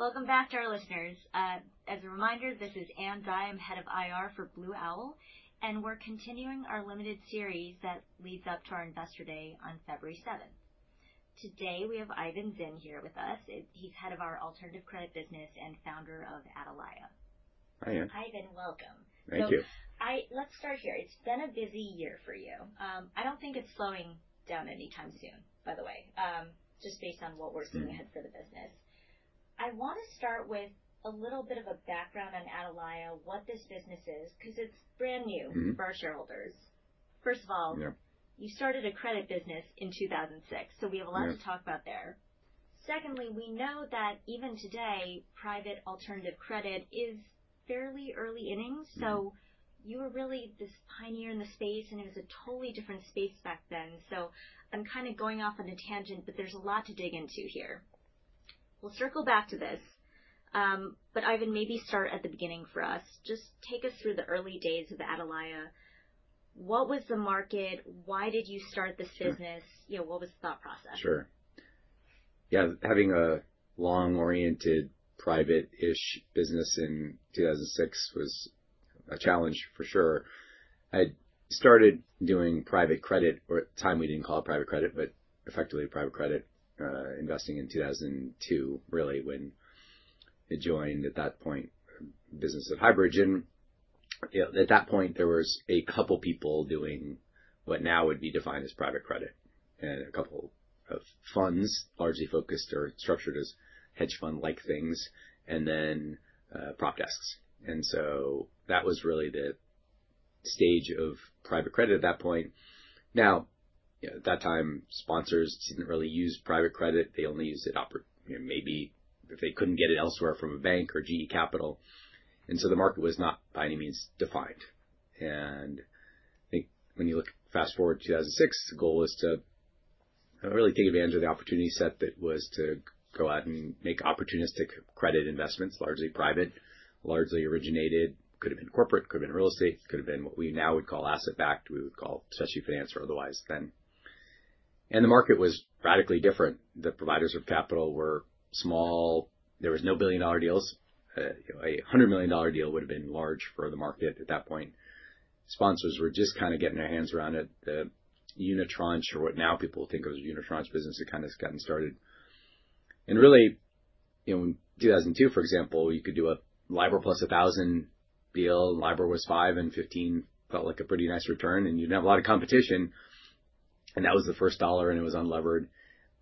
Hi, welcome back to our listeners. As a reminder, this is Ann Dai. I'm head of IR for Blue Owl, and we're continuing our limited series that leads up to our investor day on February 7th. Today we have Ivan Zinn here with us. He's head of our Alternative Credit business and founder of Atalaya. Hi, Ann. Ivan, welcome. Thank you. Let's start here. It's been a busy year for you. I don't think it's slowing down anytime soon, by the way, just based on what we're seeing ahead for the business. I want to start with a little bit of a background on Atalaya, what this business is, because it's brand new for our shareholders. First of all, you started a credit business in 2006, so we have a lot to talk about there. Secondly, we know that even today, private alternative credit is fairly early innings, so you were really this pioneer in the space, and it was a totally different space back then. So I'm kind of going off on a tangent, but there's a lot to dig into here. We'll circle back to this, but Ivan, maybe start at the beginning for us. Just take us through the early days of Atalaya. What was the market? Why did you start this business? What was the thought process? Sure. Yeah, having a long-oriented private-ish business in 2006 was a challenge for sure. I started doing private credit, or at the time we didn't call it private credit, but effectively private credit, investing in 2002, really, when I joined at that point at Highbridge. At that point, there were a couple of people doing what now would be defined as private credit, and a couple of funds largely focused or structured as hedge fund-like things, and then prop desks, and so that was really the stage of private credit at that point. Now, at that time, sponsors didn't really use private credit. They only used it maybe if they couldn't get it elsewhere from a bank or GE Capital, and so the market was not by any means defined. I think when you look fast forward to 2006, the goal was to really take advantage of the opportunity set that was to go out and make opportunistic credit investments, largely private, largely originated, could have been corporate, could have been real estate, could have been what we now would call asset-backed, we would call special finance or otherwise then. And the market was radically different. The providers of capital were small. There were no billion-dollar deals. A $100 million deal would have been large for the market at that point. Sponsors were just kind of getting their hands around it. The unitranche, or what now people think of as unitranche business, had kind of gotten started. And really, in 2002, for example, you could do a LIBOR plus 1,000 deal. LIBOR was five, and 15 felt like a pretty nice return, and you didn't have a lot of competition. That was the first dollar, and it was unlevered.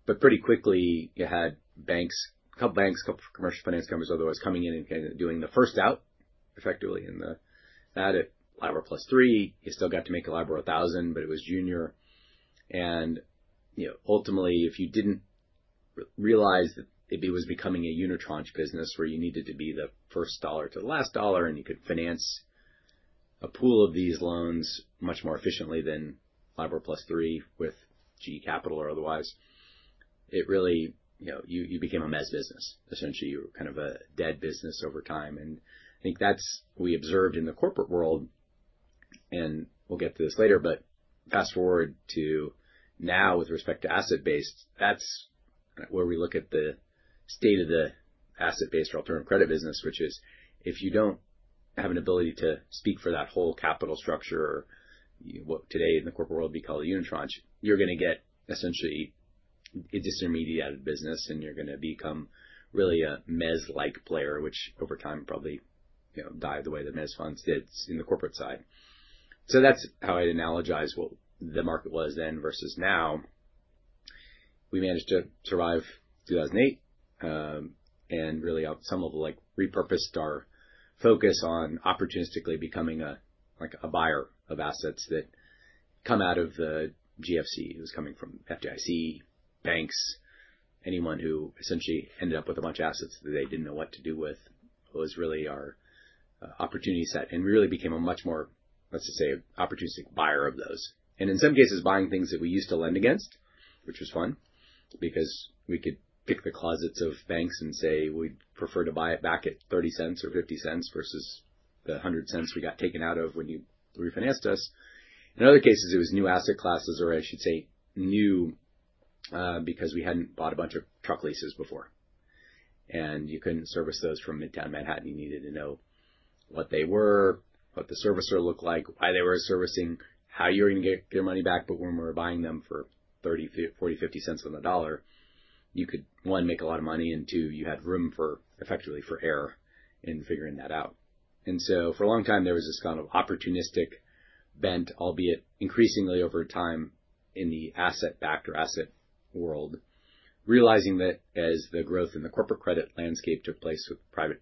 But pretty quickly, you had banks, a couple of banks, a couple of commercial finance companies otherwise coming in and kind of doing the first out, effectively. And that, at LIBOR plus 3, you still got to make a LIBOR 1,000, but it was junior. Ultimately, if you didn't realize that it was becoming a unitranche business where you needed to be the first dollar to the last dollar, and you could finance a pool of these loans much more efficiently than LIBOR plus 3 with GE Capital or otherwise, it really you became a mezz business. Essentially, you were kind of a dead business over time. I think that's what we observed in the corporate world. We'll get to this later, but fast forward to now with respect to asset-based. That's where we look at the state of the asset-based or alternative credit business, which is if you don't have an ability to speak for that whole capital structure, what today in the corporate world would be called a unitranche, you're going to get essentially a disintermediated business, and you're going to become really a mezzanine-like player, which over time probably died the way the mezzanine funds did in the corporate side. So that's how I'd analogize what the market was then versus now. We managed to survive 2008 and really, on some level, repurposed our focus on opportunistically becoming a buyer of assets that come out of the GFC. It was coming from FDIC, banks, anyone who essentially ended up with a bunch of assets that they didn't know what to do with. It was really our opportunity set, and we really became a much more, let's just say, opportunistic buyer of those, and in some cases, buying things that we used to lend against, which was fun because we could pick the closets of banks and say, "We'd prefer to buy it back at $0.30 or $0.50 versus the $1.00 we got taken out of when you refinanced us." In other cases, it was new asset classes, or I should say new, because we hadn't bought a bunch of truck leases before, and you couldn't service those from Midtown Manhattan. You needed to know what they were, what the servicer looked like, why they were servicing, how you were going to get your money back. When we were buying them for $0.40-$0.50 on the dollar, you could, one, make a lot of money, and two, you had room effectively for error in figuring that out. And so for a long time, there was this kind of opportunistic bent, albeit increasingly over time in the asset-backed or asset world, realizing that as the growth in the corporate credit landscape took place with private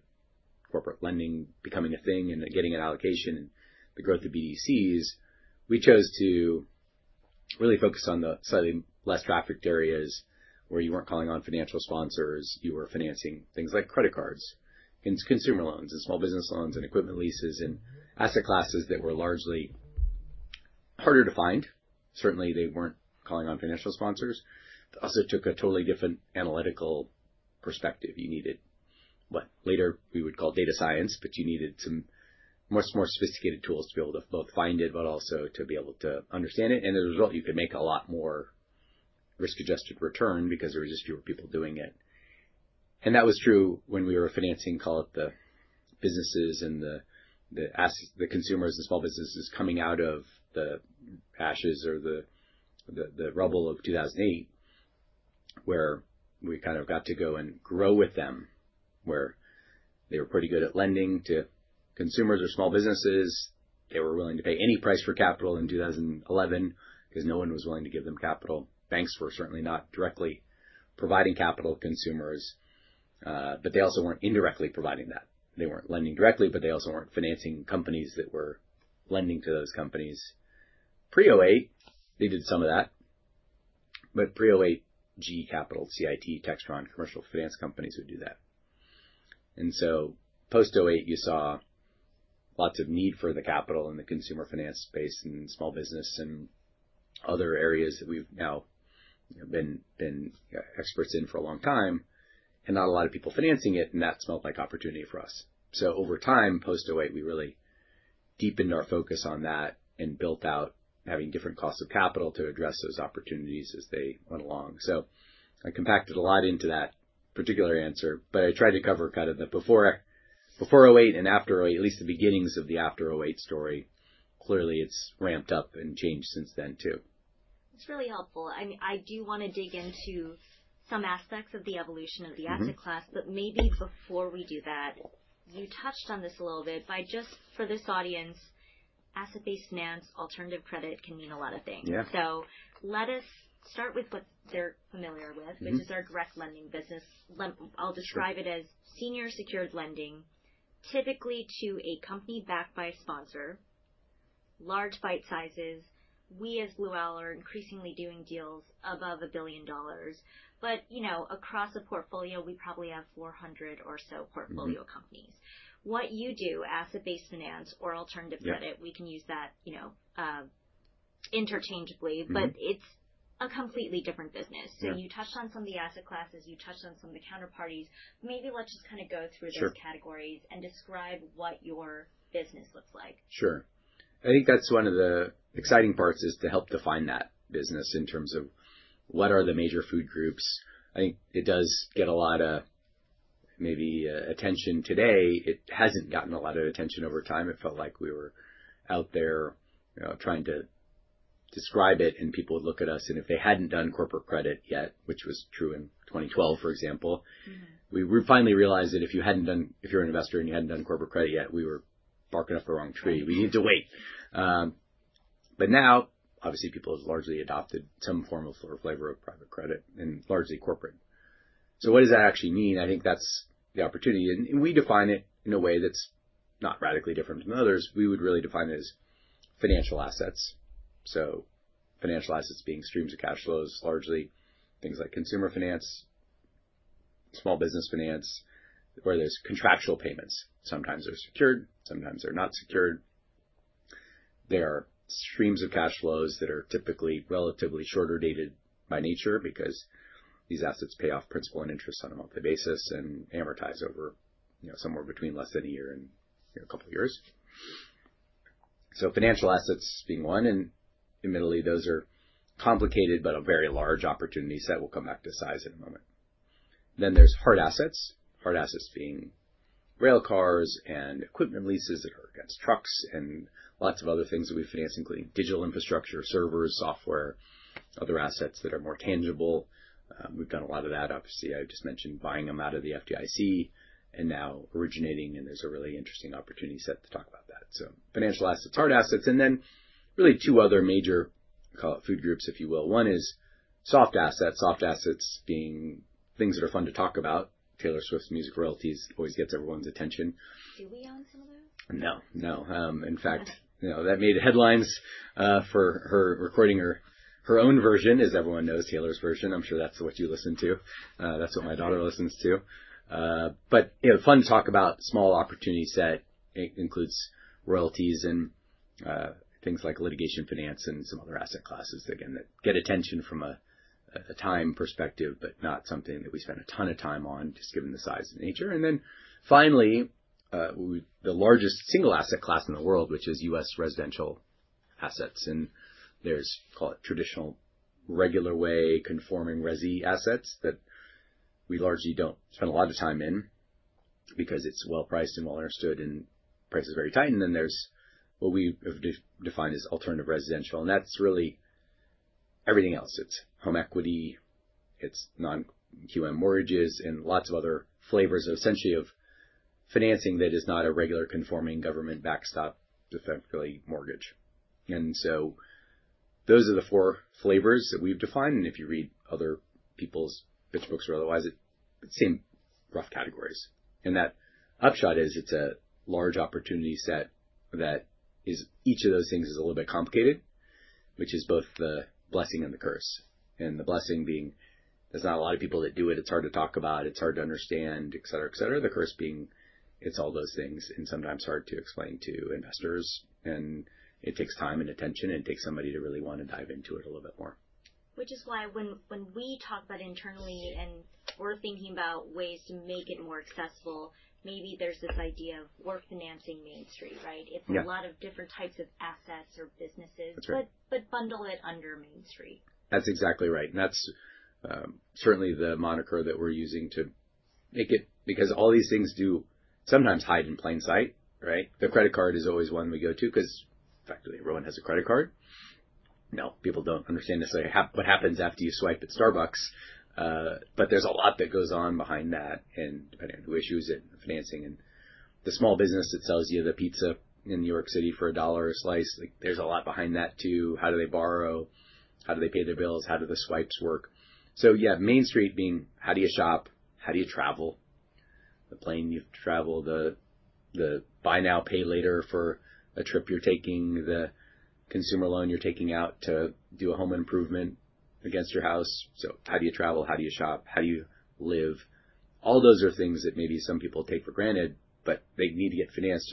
corporate lending becoming a thing and getting an allocation and the growth of BDCs, we chose to really focus on the slightly less trafficked areas where you weren't calling on financial sponsors. You were financing things like credit cards and consumer loans and small business loans and equipment leases and asset classes that were largely harder to find. Certainly, they weren't calling on financial sponsors. It also took a totally different analytical perspective. You needed, what, later we would call data science, but you needed some much more sophisticated tools to be able to both find it, but also to be able to understand it. And as a result, you could make a lot more risk-adjusted return because there were just fewer people doing it. And that was true when we were financing, call it the businesses and the consumers and small businesses coming out of the ashes or the rubble of 2008, where we kind of got to go and grow with them, where they were pretty good at lending to consumers or small businesses. They were willing to pay any price for capital in 2011 because no one was willing to give them capital. Banks were certainly not directly providing capital to consumers, but they also weren't indirectly providing that. They weren't lending directly, but they also weren't financing companies that were lending to those companies. Pre-2008, they did some of that, but pre-2008, GE Capital, CIT, Textron, commercial finance companies would do that. And so post-2008, you saw lots of need for the capital in the consumer finance space and small business and other areas that we've now been experts in for a long time, and not a lot of people financing it, and that smelled like opportunity for us. So over time, post-2008, we really deepened our focus on that and built out having different costs of capital to address those opportunities as they went along. So I compacted a lot into that particular answer, but I tried to cover kind of the before-2008 and after-2008, at least the beginnings of the after-2008 story. Clearly, it's ramped up and changed since then too. It's really helpful. I do want to dig into some aspects of the evolution of the asset class, but maybe before we do that, you touched on this a little bit. For this audience, asset-based finance, alternative credit can mean a lot of things. So let us start with what they're familiar with, which is direct lending business. I'll describe it as senior secured lending, typically to a company backed by a sponsor, large bite sizes. We as Blue Owl are increasingly doing deals above $1 billion, but across a portfolio, we probably have 400 or so portfolio companies. What you do, asset-based finance or alternative credit, we can use that interchangeably, but it's a completely different business. So you touched on some of the asset classes. You touched on some of the counterparties. Maybe let's just kind of go through those categories and describe what your business looks like. Sure. I think that's one of the exciting parts is to help define that business in terms of what are the major food groups. I think it does get a lot of maybe attention today. It hasn't gotten a lot of attention over time. It felt like we were out there trying to describe it, and people would look at us. And if they hadn't done corporate credit yet, which was true in 2012, for example, we finally realized that if you're an investor and you hadn't done corporate credit yet, we were barking up the wrong tree. We need to wait. But now, obviously, people have largely adopted some form of flavor of private credit and largely corporate. So what does that actually mean? I think that's the opportunity. And we define it in a way that's not radically different than others. We would really define it as financial assets. So financial assets being streams of cash flows, largely things like consumer finance, small business finance, where there's contractual payments. Sometimes they're secured. Sometimes they're not secured. There are streams of cash flows that are typically relatively shorter dated by nature because these assets pay off principal and interest on a monthly basis and amortize over somewhere between less than a year and a couple of years. So financial assets being one, and admittedly, those are complicated, but a very large opportunity set. We'll come back to size in a moment. Then there's hard assets, hard assets being rail cars and equipment leases that are against trucks and lots of other things that we finance, including digital infrastructure, servers, software, other assets that are more tangible. We've done a lot of that. Obviously, I just mentioned buying them out of the FDIC and now originating, and there's a really interesting opportunity set to talk about that. So financial assets, hard assets, and then really two other major, call it food groups, if you will. One is soft assets, soft assets being things that are fun to talk about. Taylor Swift's music royalties always gets everyone's attention. Do we own some of those? No. No. In fact, that made headlines for her recording her own version, as everyone knows, Taylor's Version. I'm sure that's what you listen to. That's what my daughter listens to, but fun to talk about small opportunity set. It includes royalties and things like litigation finance and some other asset classes, again, that get attention from a time perspective, but not something that we spend a ton of time on, just given the size and nature, and then finally, the largest single asset class in the world, which is U.S. residential assets, and there's, call it traditional, regular way, conforming resi assets that we largely don't spend a lot of time in because it's well priced and well understood and prices very tight, and then there's what we have defined as alternative residential, and that's really everything else. It's home equity, it's non-QM mortgages, and lots of other flavors, essentially, of financing that is not a regular conforming government backstop, effectively mortgage. And so those are the four flavors that we've defined. And if you read other people's pitch books or otherwise, it's the same rough categories. And that upshot is it's a large opportunity set that each of those things is a little bit complicated, which is both the blessing and the curse. And the blessing being, there's not a lot of people that do it. It's hard to talk about. It's hard to understand, etc., etc. The curse being, it's all those things and sometimes hard to explain to investors. And it takes time and attention, and it takes somebody to really want to dive into it a little bit more. Which is why when we talk about internally and we're thinking about ways to make it more accessible, maybe there's this idea of we're financing Main Street, right? It's a lot of different types of assets or businesses, but bundle it under Main Street. That's exactly right. And that's certainly the moniker that we're using to make it because all these things do sometimes hide in plain sight, right? The credit card is always one we go to because effectively everyone has a credit card. Now, people don't understand necessarily what happens after you swipe at Starbucks, but there's a lot that goes on behind that and depending on who issues it and the financing. And the small business that sells you the pizza in New York City for $1 a slice, there's a lot behind that too. How do they borrow? How do they pay their bills? How do the swipes work? So yeah, Main Street being, how do you shop? How do you travel? The plane you travel, theBuy Now, Pay Later for a trip you're taking, the consumer loan you're taking out to do a home improvement against your house. So how do you travel? How do you shop? How do you live? All those are things that maybe some people take for granted, but they need to get financed.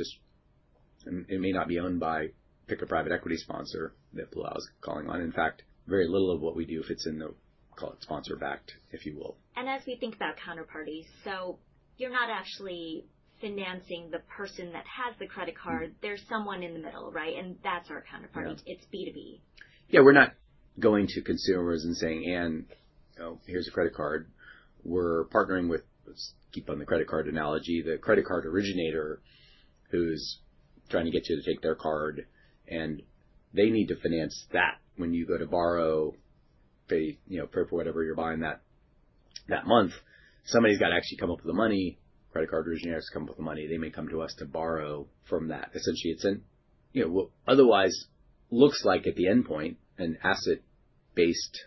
It may not be owned by pick a private equity sponsor that Blue Owl is calling on. In fact, very little of what we do if it's in the, call it sponsor-backed, if you will. As we think about counterparties, so you're not actually financing the person that has the credit card. There's someone in the middle, right? That's our counterparty. It's B2B. Yeah. We're not going to consumers and saying, "And here's a credit card. We're partnering with," let's keep on the credit card analogy, the credit card originator who's trying to get you to take their card. And they need to finance that. When you go to borrow, pay for whatever you're buying that month, somebody's got to actually come up with the money. Credit card originators come up with the money. They may come to us to borrow from that. Essentially, it's in what otherwise looks like at the endpoint, an asset-based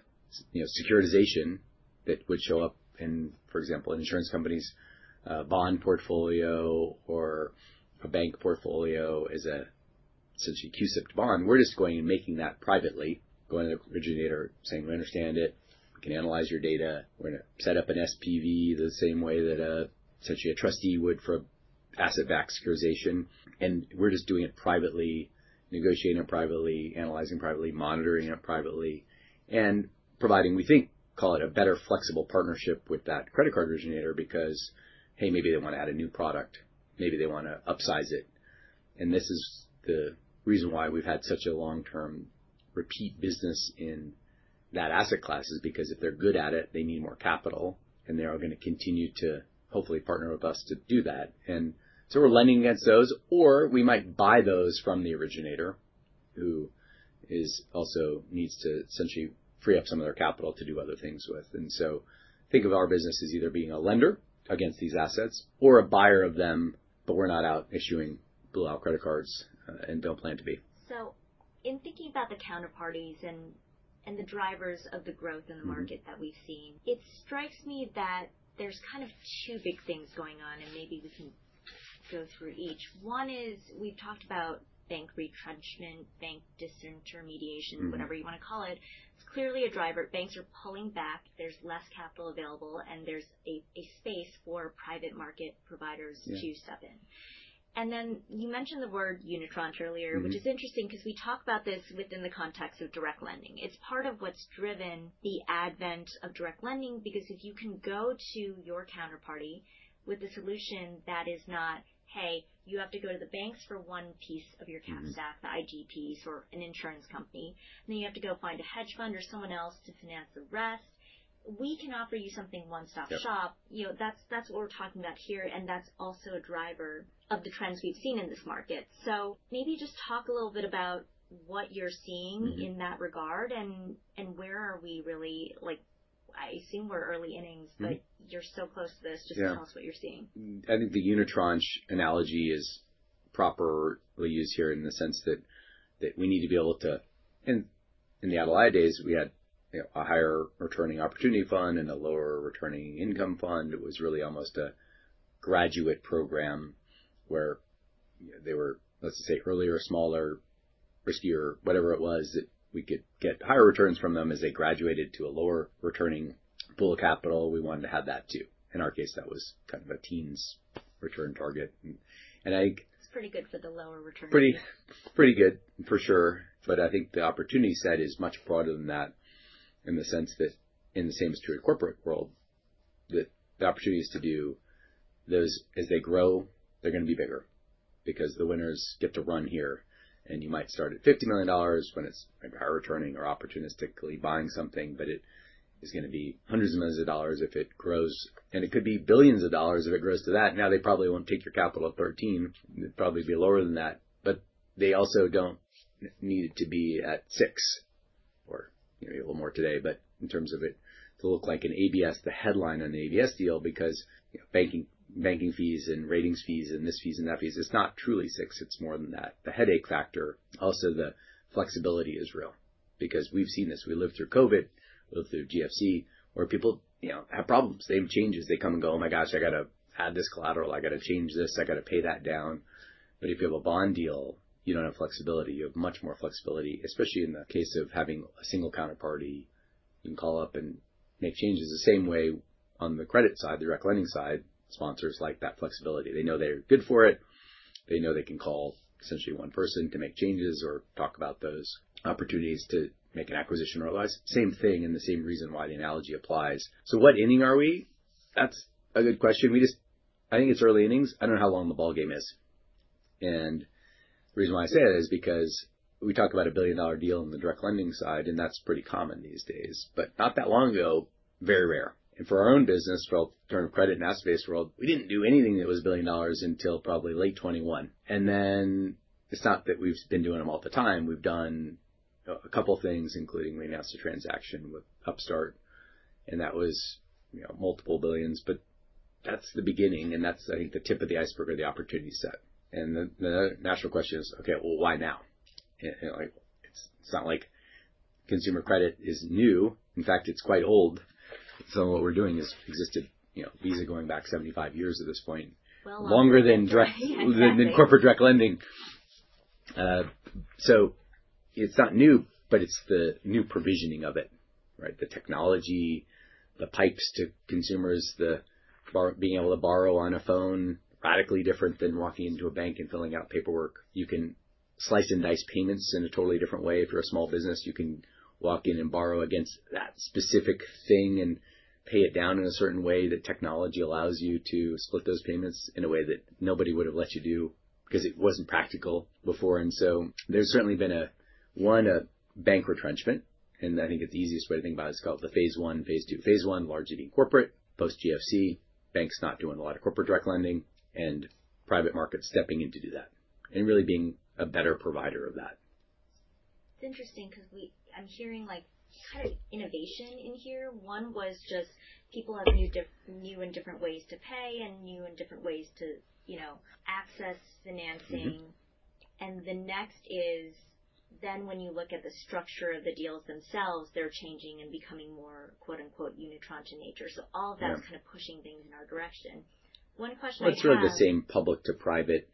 securitization that would show up in, for example, insurance companies, a bond portfolio or a bank portfolio as an essentially CUSIP bond. We're just going and making that privately, going to the originator, saying, "We understand it. We can analyze your data. We're going to set up an SPV the same way that essentially a trustee would for asset-backed securitization," and we're just doing it privately, negotiating it privately, analyzing it privately, monitoring it privately, and providing, we think, call it a better flexible partnership with that credit card originator because, hey, maybe they want to add a new product. Maybe they want to upsize it. And this is the reason why we've had such a long-term repeat business in that asset class is because if they're good at it, they need more capital, and they are going to continue to hopefully partner with us to do that. And so we're lending against those, or we might buy those from the originator who also needs to essentially free up some of their capital to do other things with. Think of our business as either being a lender against these assets or a buyer of them, but we're not out issuing Blue Owl credit cards and don't plan to be. So in thinking about the counterparties and the drivers of the growth in the market that we've seen, it strikes me that there's kind of two big things going on, and maybe we can go through each. One is we've talked about bank retrenchment, bank disintermediation, whatever you want to call it. It's clearly a driver. Banks are pulling back. There's less capital available, and there's a space for private market providers to step in. And then you mentioned the word unitranche earlier, which is interesting because we talk about this within the context of direct lending. It's part of what's driven the advent direct lending because if you can go to your counterparty with a solution that is not, "Hey, you have to go to the banks for one piece of your cap stack, the IG piece or an insurance company, and then you have to go find a hedge fund or someone else to finance the rest, we can offer you something one-stop shop." That's what we're talking about here, and that's also a driver of the trends we've seen in this market. So maybe just talk a little bit about what you're seeing in that regard and where are we really? I assume we're early innings, but you're so close to this. Just tell us what you're seeing. I think the unitranche analogy is properly used here in the sense that we need to be able to, and in the Atalaya days, we had a higher returning opportunity fund and a lower returning income fund. It was really almost a graduate program where they were, let's say, earlier, smaller, riskier, whatever it was that we could get higher returns from them as they graduated to a lower returning pool of capital. We wanted to have that too. In our case, that was kind of a teens return target. It's pretty good for the lower return. Pretty good for sure. But I think the opportunity set is much broader than that in the sense that in the same true corporate world, that the opportunities to do those, as they grow, they're going to be bigger because the winners get to run here. And you might start at $50 million when it's higher returning or opportunistically buying something, but it is going to be hundreds of millions of dollars if it grows, and it could be billions of dollars if it grows to that. Now, they probably won't take your capital at 13. It'd probably be lower than that, but they also don't need it to be at six. Or a little more today, but in terms of it to look like an ABS, the headline on the ABS deal because banking fees and ratings fees and this fees and that fees, it's not truly six. It's more than that. The headache factor, also the flexibility is real because we've seen this. We lived through COVID. We lived through GFC where people have problems. They have changes. They come and go, "Oh my gosh, I got to add this collateral. I got to change this. I got to pay that down." But if you have a bond deal, you don't have flexibility. You have much more flexibility, especially in the case of having a single counterparty. You can call up and make changes the same way on the credit side, direct lending side. Sponsors like that flexibility. They know they're good for it. They know they can call essentially one person to make changes or talk about those opportunities to make an acquisition or otherwise. Same thing and the same reason why the analogy applies. So what inning are we? That's a good question. I think it's early innings. I don't know how long the ballgame is, and the reason why I say it is because we talk about a $1 billion deal on direct lending side, and that's pretty common these days, but not that long ago, very rare, and for our own business, for our term credit and asset-based world, we didn't do anything that was $1 billion until probably late 2021, and then it's not that we've been doing them all the time. We've done a couple of things, including we announced a transaction with Upstart, and that was multiple billions, but that's the beginning, and that's, I think, the tip of the iceberg or the opportunity set, and the natural question is, "Okay, well, why now?" It's not like consumer credit is new. In fact, it's quite old. What we're doing has existed easily going back 75 years at this point, longer than direct lending. It's not new, but it's the new provisioning of it, right? The technology, the pipes to consumers, the being able to borrow on a phone, radically different than walking into a bank and filling out paperwork. You can slice and dice payments in a totally different way. If you're a small business, you can walk in and borrow against that specific thing and pay it down in a certain way that technology allows you to split those payments in a way that nobody would have let you do because it wasn't practical before. There's certainly been a bank retrenchment. I think it's the easiest way to think about it. It's called the phase one, phase two. Phase one, largely being corporate, post-GFC, banks not doing a lot of direct lending, and private markets stepping in to do that and really being a better provider of that. It's interesting because I'm hearing kind of innovation in here. One was just people have new and different ways to pay and new and different ways to access financing. And the next is then when you look at the structure of the deals themselves, they're changing and becoming more "unitranche" to nature. So all of that is kind of pushing things in our direction. One question. It's really the same public to private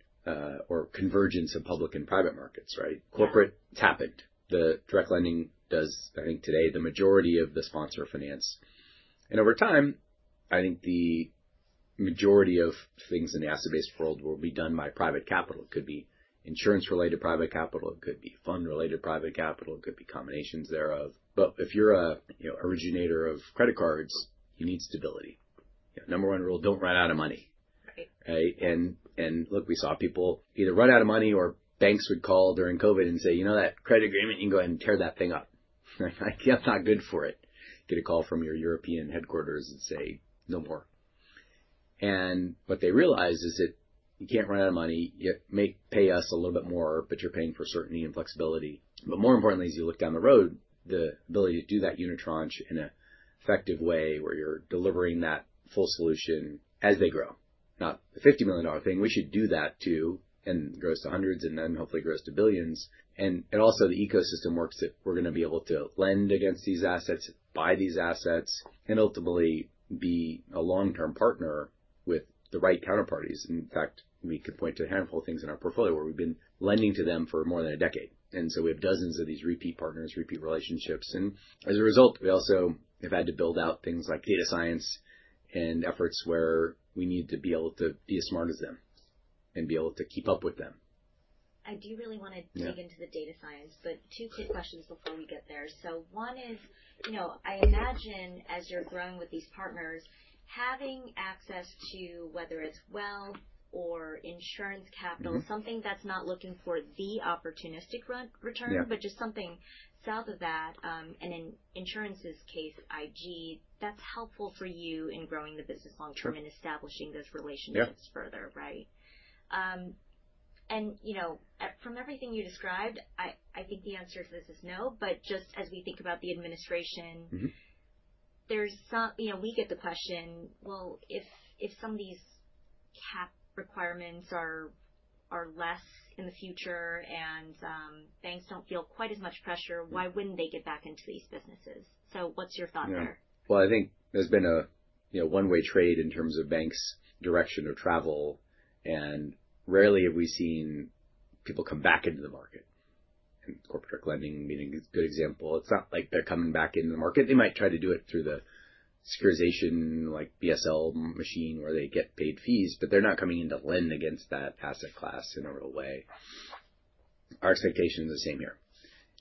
or convergence of public and private markets, right? Corporates happened. direct lending does, I think today, the majority of the sponsor finance. And over time, I think the majority of things in the asset-based world will be done by private capital. It could be insurance-related private capital. It could be fund-related private capital. It could be combinations thereof. But if you're an originator of credit cards, you need stability. Number one rule, don't run out of money. And look, we saw people either run out of money or banks would call during COVID and say, "You know that credit agreement? You can go ahead and tear that thing up." That's not good for it. Get a call from your European headquarters and say, "No more." And what they realize is that you can't run out of money. You pay us a little bit more, but you're paying for certainty and flexibility, but more importantly, as you look down the road, the ability to do that unitranche in an effective way where you're delivering that full solution as they grow. Not the $50 million thing. We should do that too and grows to hundreds and then hopefully grows to billions, and also the ecosystem works that we're going to be able to lend against these assets, buy these assets, and ultimately be a long-term partner with the right counterparties. In fact, we could point to a handful of things in our portfolio where we've been lending to them for more than a decade, and so we have dozens of these repeat partners, repeat relationships. As a result, we also have had to build out things like data science and efforts where we need to be able to be as smart as them and be able to keep up with them. I do really want to dig into the data science, but two quick questions before we get there. So one is I imagine as you're growing with these partners, having access to whether it's wealth or insurance capital, something that's not looking for the opportunistic return, but just something south of that. And in insurance's case, IG, that's helpful for you in growing the business long-term and establishing those relationships further, right? And from everything you described, I think the answer to this is no. But just as we think about the administration, we get the question, "Well, if some of these cap requirements are less in the future and banks don't feel quite as much pressure, why wouldn't they get back into these businesses?" So what's your thought there? I think there's been a one-way trade in terms of banks' direction of travel. And rarely have we seen people come back into the market. And direct lending being a good example. It's not like they're coming back into the market. They might try to do it through the securitization BSL machine where they get paid fees, but they're not coming in to lend against that asset class in a real way. Our expectation is the same here.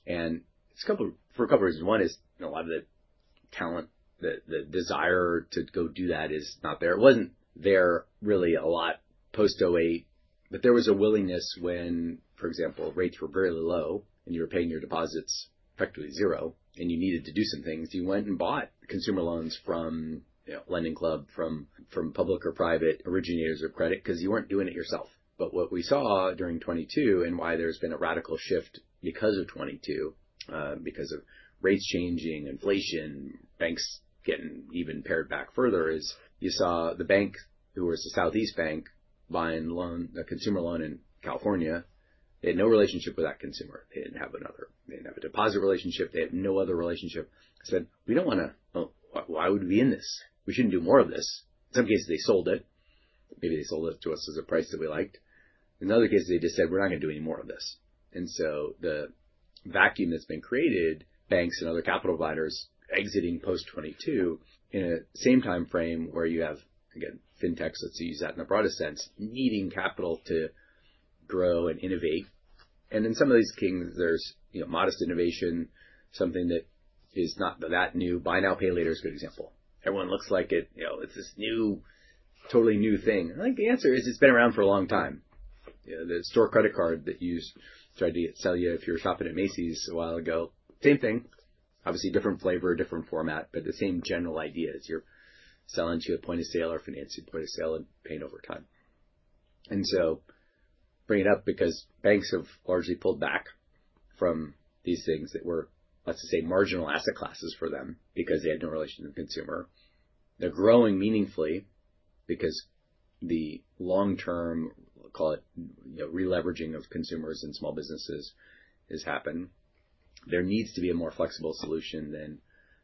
And it's for a couple of reasons. One is a lot of the talent, the desire to go do that is not there. It wasn't there really a lot post 2008, but there was a willingness when, for example, rates were very low and you were paying your deposits effectively zero and you needed to do some things. You went and bought consumer loans from LendingClub, from public or private originators of credit because you weren't doing it yourself. But what we saw during 2022 and why there's been a radical shift because of 2022, because of rates changing, inflation, banks getting even pared back further is you saw the bank who was the Southeast Bank buying a consumer loan in California. They had no relationship with that consumer. They didn't have another. They didn't have a deposit relationship. They had no other relationship. I said, "We don't want to. Why would we be in this? We shouldn't do more of this." In some cases, they sold it. Maybe they sold it to us at a price that we liked. In other cases, they just said, "We're not going to do any more of this," and so the vacuum that's been created, banks and other capital providers exiting post 2022 in the same time frame where you have, again, fintechs that use that in a broader sense, needing capital to grow and innovate, and in some of these things, there's modest innovation, something that is not that new. Buy Now, Pay Later is a good example. Everyone thinks it's this new, totally new thing, and I think the answer is it's been around for a long time. The store credit card that they tried to sell you if you were shopping at Macy's a while ago, same thing. Obviously, different flavor, different format, but the same general idea is you're selling at the point of sale or financing at the point of sale and paying over time. And so bring it up because banks have largely pulled back from these things that were, let's say, marginal asset classes for them because they had no relation to the consumer. They're growing meaningfully because the long-term, call it releveraging of consumers and small businesses has happened. There needs to be a more flexible solution than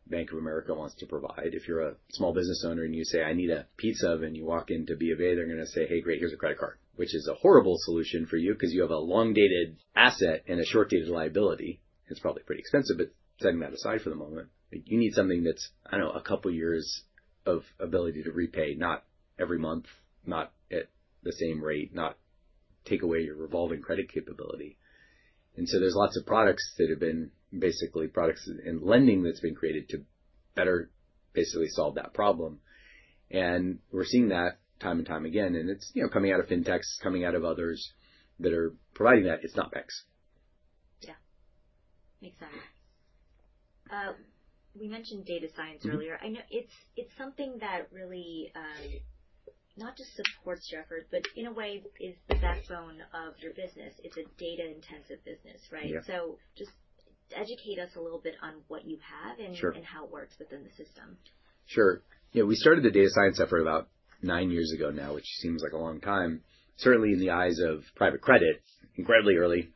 Bank of America wants to provide. If you're a small business owner and you say, "I need a pizza," and you walk into B of A, they're going to say, "Hey, great, here's a credit card," which is a horrible solution for you because you have a long-dated asset and a short-dated liability. It's probably pretty expensive, but setting that aside for the moment, you need something that's, I don't know, a couple of years of ability to repay, not every month, not at the same rate, not take away your revolving credit capability. And so there's lots of products that have been basically products in lending that's been created to better basically solve that problem. And we're seeing that time and time again. And it's coming out of fintechs, coming out of others that are providing that. It's not banks. Yeah. Makes sense. We mentioned data science earlier. It's something that really not just supports your effort, but in a way is the backbone of your business. It's a data-intensive business, right? So just educate us a little bit on what you have and how it works within the system. Sure. We started the data science effort about nine years ago now, which seems like a long time, certainly in the eyes of private credit. Incredibly early.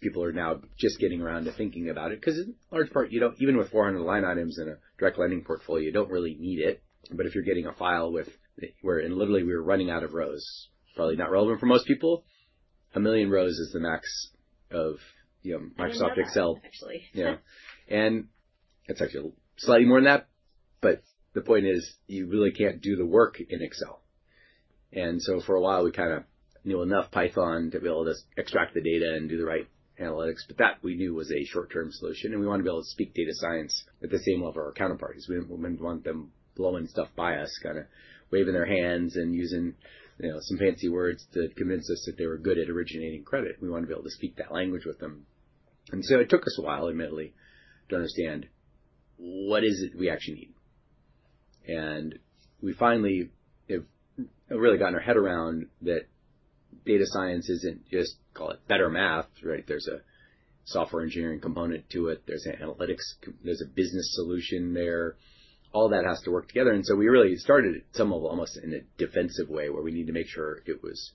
People are now just getting around to thinking about it because in large part, even with 400 line items in direct lending portfolio, you don't really need it. But if you're getting a file with where literally we were running out of rows, probably not relevant for most people, a million rows is the max of Microsoft Excel. Actually. Yeah. And it's actually slightly more than that, but the point is you really can't do the work in Excel. And so for a while, we kind of knew enough Python to be able to extract the data and do the right analytics. But that we knew was a short-term solution. And we wanted to be able to speak data science at the same level of our counterparties. We didn't want them blowing stuff by us, kind of waving their hands and using some fancy words to convince us that they were good at originating credit. We wanted to be able to speak that language with them. And so it took us a while, admittedly, to understand what is it we actually need. And we finally have really gotten our head around that data science isn't just, call it better math, right? There's a software engineering component to it. There's analytics. There's a business solution there. All that has to work together. And so we really started it somewhat almost in a defensive way where we need to make sure it was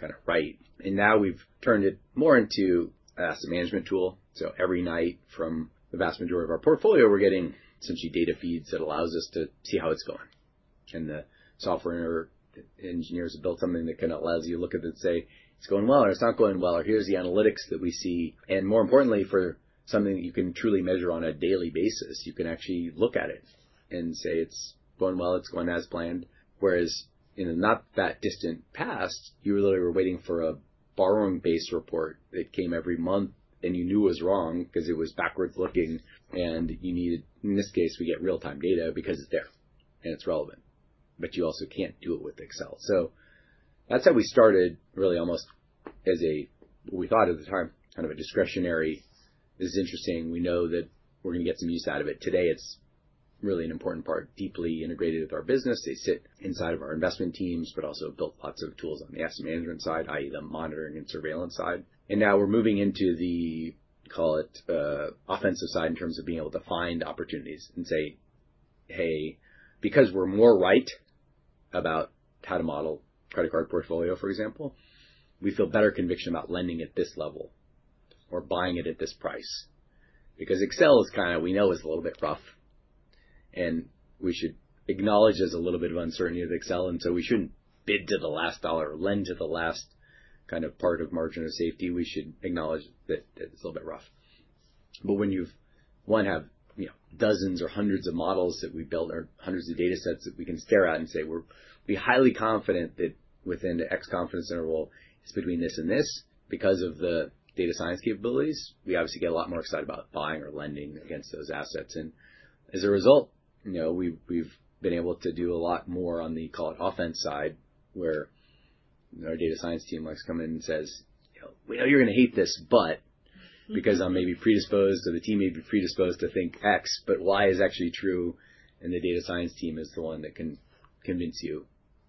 kind of right. And now we've turned it more into an asset management tool. So every night from the vast majority of our portfolio, we're getting essentially data feeds that allows us to see how it's going. And the software engineers have built something that kind of allows you to look at it and say, "It's going well or it's not going well." Or here's the analytics that we see. And more importantly, for something that you can truly measure on a daily basis, you can actually look at it and say, "It's going well. It's going as planned." Whereas in the not that distant past, you really were waiting for a borrowing base report that came every month and you knew it was wrong because it was backwards looking, and you needed, in this case, we get real-time data because it's there and it's relevant, but you also can't do it with Excel, so that's how we started really almost as a, what we thought at the time, kind of a discretionary. This is interesting. We know that we're going to get some use out of it. Today, it's really an important part, deeply integrated with our business. They sit inside of our investment teams, but also have built lots of tools on the asset management side, i.e., the monitoring and surveillance side. Now we're moving into the, call it offensive side in terms of being able to find opportunities and say, "Hey, because we're more right about how to model credit card portfolio, for example, we feel better conviction about lending at this level or buying it at this price." Because Excel is kind of, we know is a little bit rough. So we shouldn't bid to the last dollar or lend to the last kind of part of margin of safety. We should acknowledge that it's a little bit rough. But when you have dozens or hundreds of models that we built or hundreds of data sets that we can stare at and say, "We're highly confident that within the X confidence interval, it's between this and this because of the data science capabilities." We obviously get a lot more excited about buying or lending against those assets, and as a result, we've been able to do a lot more on the call it offense side, where our data science team likes to come in and says, "We know you're going to hate this, but because I'm maybe predisposed or the team may be predisposed to think X, but Y is actually true," and the data science team is the one that can convince you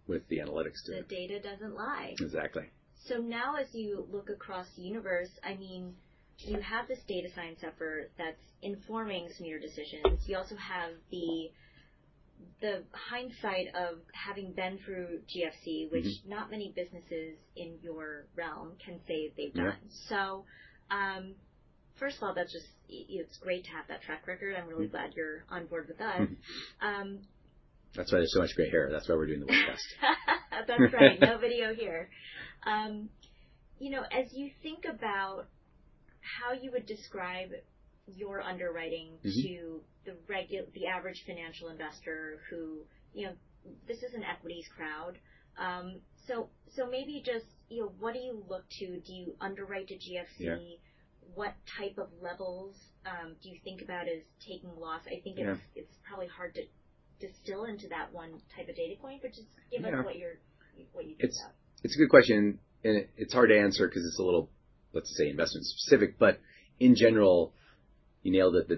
with the analytics too. The data doesn't lie. Exactly. So now as you look across the universe, I mean, you have this data science effort that's informing some of your decisions. You also have the hindsight of having been through GFC, which not many businesses in your realm can say they've done. So first of all, it's great to have that track record. I'm really glad you're on board with us. That's why there's so much gray hair. That's why we're doing the webcast. That's right. No video here. As you think about how you would describe your underwriting to the average financial investor who this is an equities crowd. So maybe just what do you look to? Do you underwrite to GFC? What type of levels do you think about as taking loss? I think it's probably hard to distill into that one type of data point, but just give us what you think about. It's a good question, and it's hard to answer because it's a little, let's say, investment specific, but in general, you nailed it.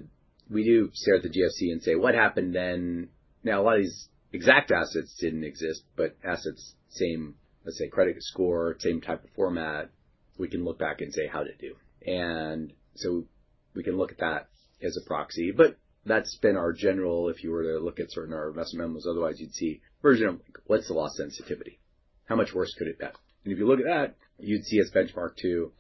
We do stress the GFC and say, "What happened then?" Now, a lot of these exact assets didn't exist, but assets, same, let's say, credit score, same type of format. We can look back and say how they did, and so we can look at that as a proxy, but that's been our general, if you were to look at certain of our investment memos, otherwise you'd see version of, "What's the loss sensitivity? How much worse could it get?" If you look at that, you'd see us benchmark to,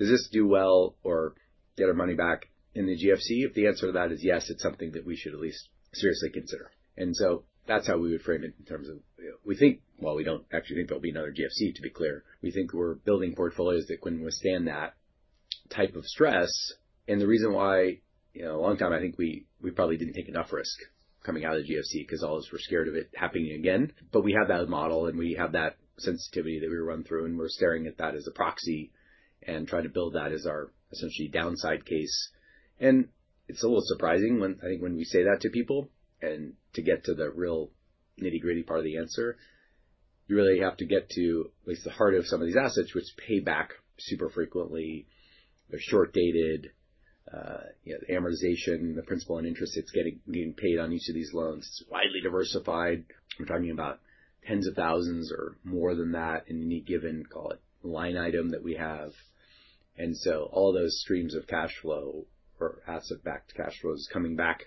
"Does this do well or get our money back in the GFC?" If the answer to that is yes, it's something that we should at least seriously consider. And so that's how we would frame it in terms of we think, well, we don't actually think there'll be another GFC, to be clear. We think we're building portfolios that can withstand that type of stress. And the reason why a long time, I think we probably didn't take enough risk coming out of GFC because all of us were scared of it happening again. But we have that model and we have that sensitivity that we run through and we're staring at that as a proxy and trying to build that as our essentially downside case. And it's a little surprising when I think we say that to people and to get to the real nitty-gritty part of the answer, you really have to get to at least the heart of some of these assets, which pay back super frequently. They're short-dated. Amortization, the principal and interest, it's getting paid on each of these loans. It's widely diversified. We're talking about tens of thousands or more than that in any given, call it, line item that we have, and so all those streams of cash flow or asset-backed cash flow is coming back,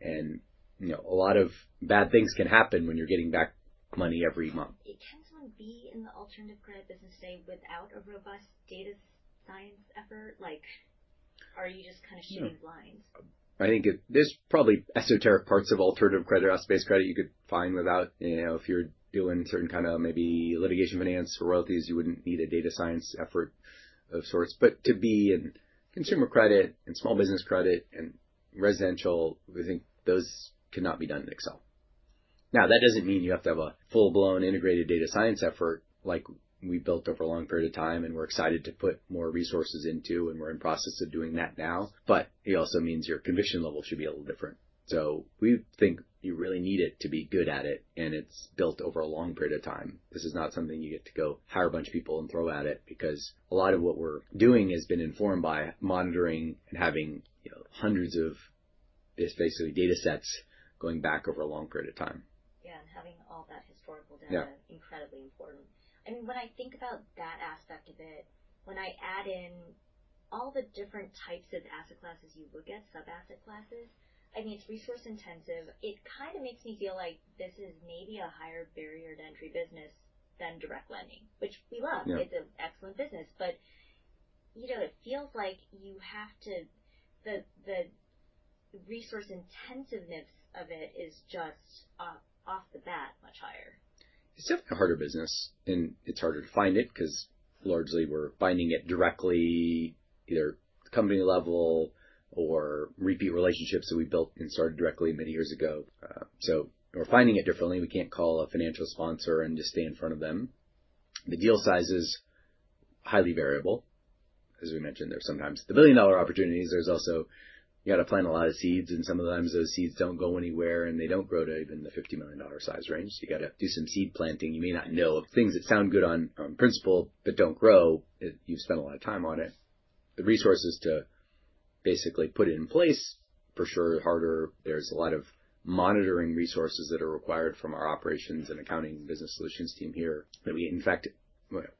and a lot of bad things can happen when you're getting back money every month. It tends to be in the alternative credit business today without a robust data science effort? Are you just kind of shooting blind? I think there's probably esoteric parts of alternative credit or asset-based credit you could find without. If you're doing certain kind of maybe litigation finance for royalties, you wouldn't need a data science effort of sorts. But to be in consumer credit and small business credit and residential, we think those cannot be done in Excel. Now, that doesn't mean you have to have a full-blown integrated data science effort like we built over a long period of time and we're excited to put more resources into and we're in process of doing that now. But it also means your conviction level should be a little different. So we think you really need it to be good at it and it's built over a long period of time. This is not something you get to go hire a bunch of people and throw at it because a lot of what we're doing has been informed by monitoring and having hundreds of basically data sets going back over a long period of time. Yeah. And having all that historical data is incredibly important. I mean, when I think about that aspect of it, when I add in all the different types of asset classes you look at, sub-asset classes, I mean, it's resource-intensive. It kind of makes me feel like this is maybe a higher barrier to entry business direct lending, which we love. It's an excellent business. But it feels like you have to the resource-intensiveness of it is just off the bat much higher. It's definitely a harder business, and it's harder to find it because largely we're finding it directly, either company level or repeat relationships that we built and started directly many years ago, so we're finding it differently. We can't call a financial sponsor and just stay in front of them. The deal size is highly variable. As we mentioned, there's sometimes the billion-dollar opportunities. There's also you got to plant a lot of seeds, and sometimes those seeds don't go anywhere and they don't grow to even the $50 million size range, so you got to do some seed planting. You may not know of things that sound good in principle, but don't grow. You've spent a lot of time on it. The resources to basically put it in place for sure are harder. There's a lot of monitoring resources that are required from our operations and accounting business solutions team here that we in fact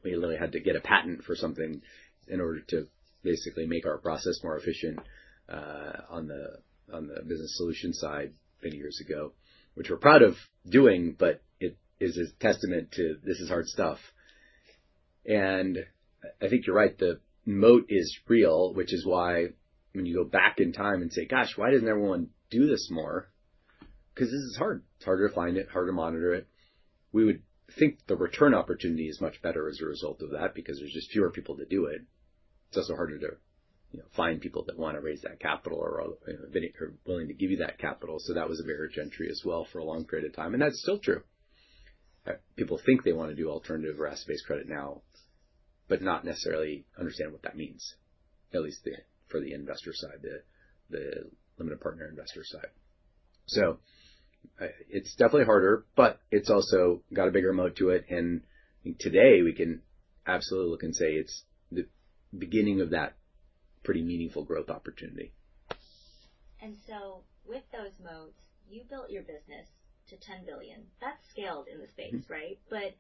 literally had to get a patent for something in order to basically make our process more efficient on the business solution side many years ago, which we're proud of doing, but it is a testament to this is hard stuff, and I think you're right. The moat is real, which is why when you go back in time and say, "Gosh, why doesn't everyone do this more?", because this is hard. It's harder to find it, harder to monitor it. We would think the return opportunity is much better as a result of that because there's just fewer people to do it. It's also harder to find people that want to raise that capital or are willing to give you that capital. So that was a barrier to entry as well for a long period of time. And that's still true. People think they want to do alternative or asset-based credit now, but not necessarily understand what that means, at least for the investor side, the limited partner investor side. So it's definitely harder, but it's also got a bigger moat to it. And I think today we can absolutely look and say it's the beginning of that pretty meaningful growth opportunity. And so with those moats, you built your business to 10 billion. That's scaled in the space, right? But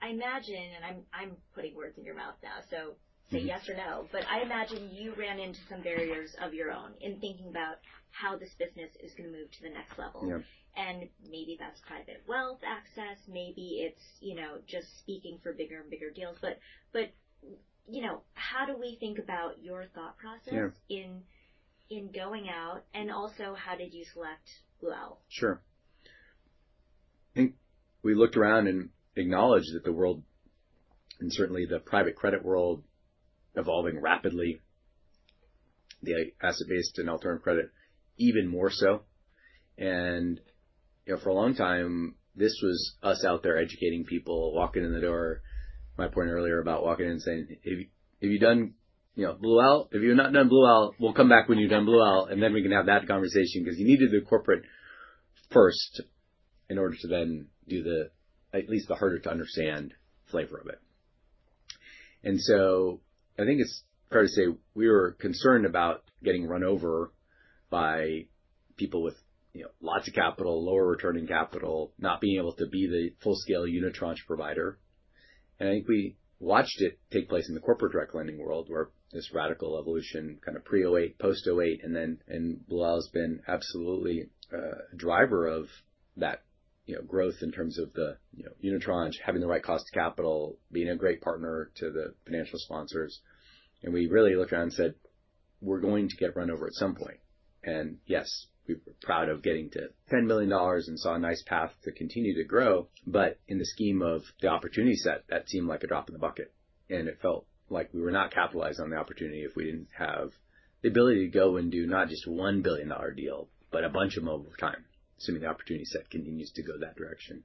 I imagine, and I'm putting words in your mouth now, so say yes or no, but I imagine you ran into some barriers of your own in thinking about how this business is going to move to the next level. And maybe that's private wealth access. Maybe it's just speaking for bigger and bigger deals. But how do we think about your thought process in going out? And also how did you select Blue Owl? Sure. I think we looked around and acknowledged that the world and certainly the private credit world is evolving rapidly, the asset-based and alternative credit even more so. And for a long time, this was us out there educating people, walking in the door, my point earlier about walking in and saying, "Have you done Blue Owl? If you've not done Blue Owl, we'll come back when you've done Blue Owl." And then we can have that conversation because you needed the corporate first in order to then do at least the harder-to-understand flavor of it. And so I think it's fair to say we were concerned about getting run over by people with lots of capital, lower returning capital, not being able to be the full-scale unitranche provider. And I think we watched it take place in the direct lending world where this radical evolution kind of pre-2008, post-2008, and then Blue Owl has been absolutely a driver of that growth in terms of the unitranche having the right cost of capital, being a great partner to the financial sponsors. And we really looked around and said, "We're going to get run over at some point." And yes, we were proud of getting to $10 million and saw a nice path to continue to grow. But in the scheme of the opportunity set, that seemed like a drop in the bucket. And it felt like we were not capitalizing on the opportunity if we didn't have the ability to go and do not just one billion-dollar deal, but a bunch of them over time, assuming the opportunity set continues to go that direction.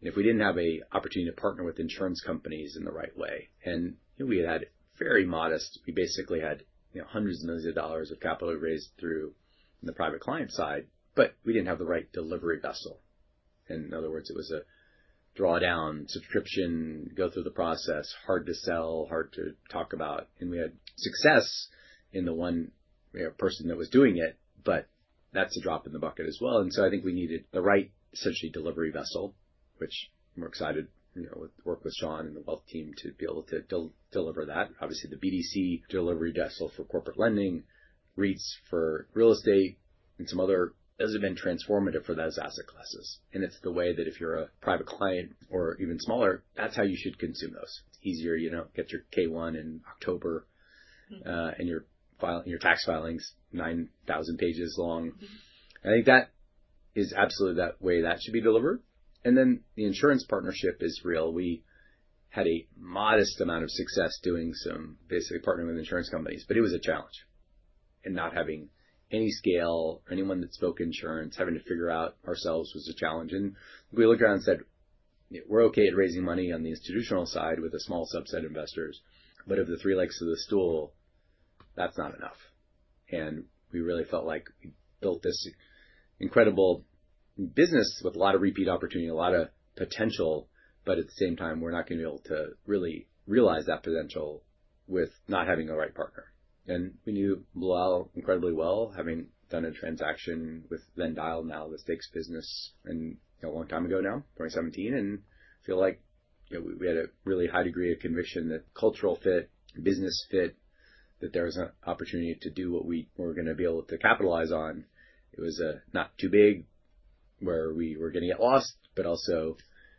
And if we didn't have an opportunity to partner with insurance companies in the right way. And we had very modest. We basically had hundreds of millions of dollars of capital raised through the private client side, but we didn't have the right delivery vessel. In other words, it was a drawdown subscription, go through the process, hard to sell, hard to talk about. And we had success in the one person that was doing it, but that's a drop in the bucket as well. And so I think we needed the right essentially delivery vessel, which we're excited with work with Sean and the wealth team to be able to deliver that. Obviously, the BDC delivery vessel for corporate lending, REITs for real estate, and some other has been transformative for those asset classes. It's the way that if you're a private client or even smaller, that's how you should consume those. Easier. You don't get your K-1 in October and your tax filings 9,000 pages long. I think that is absolutely that way that should be delivered. And then the insurance partnership is real. We had a modest amount of success doing some basically partnering with insurance companies, but it was a challenge. And not having any scale or anyone that spoke insurance, having to figure out ourselves was a challenge. We looked around and said, "We're okay at raising money on the institutional side with a small subset of investors, but of the three legs of the stool, that's not enough." And we really felt like we built this incredible business with a lot of repeat opportunity, a lot of potential, but at the same time, we're not going to be able to really realize that potential with not having the right partner. And we knew Blue Owl incredibly well, having done a transaction with then Dyal now, the stakes business a long time ago now, 2017. And I feel like we had a really high degree of conviction that cultural fit, business fit, that there was an opportunity to do what we were going to be able to capitalize on. It was not too big where we were going to get lost, but also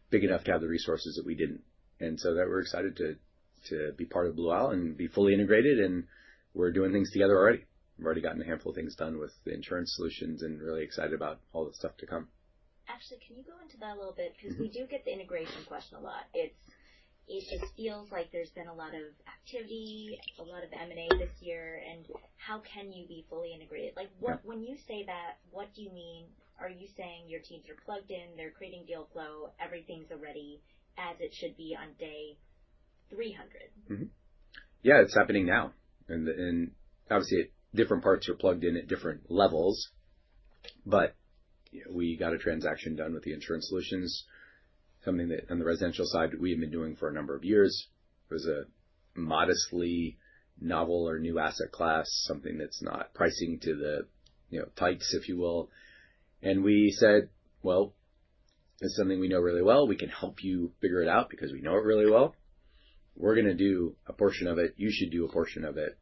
big enough to have the resources that we didn't, and so that we're excited to be part of Blue Owl and be fully integrated. We're doing things together already. We've already gotten a handful of things done with the Insurance Solutions and really excited about all the stuff to come. Actually, can you go into that a little bit? Because we do get the integration question a lot. It feels like there's been a lot of activity, a lot of M&A this year, and how can you be fully integrated? When you say that, what do you mean? Are you saying your teams are plugged in, they're creating deal flow, everything's already as it should be on day 300? Yeah, it's happening now. And obviously, different parts are plugged in at different levels. But we got a transaction done with the Insurance Solutions, something that on the residential side we had been doing for a number of years. It was a modestly novel or new asset class, something that's not pricing to the types, if you will. And we said, "Well, it's something we know really well. We can help you figure it out because we know it really well. We're going to do a portion of it. You should do a portion of it."